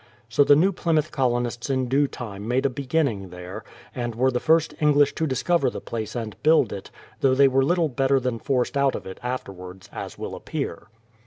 So the New Plymouth colonists in due time made a beginning there, and were the first English to discover the place and build it, though they were little better than forced out of it afterwards, as will appear.